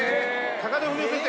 高田文夫先生。